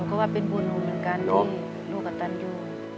เพราะว่าเป็นบุญหนูเหมือนกันที่ลูกกระตันอยู่